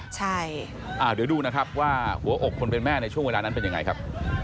เดี๋ยวดูนะครับว่าหัวอกคนเป็นแม่ในช่วงเวลานั้นเป็นยังไงครับ